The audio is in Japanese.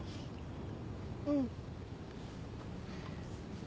うん。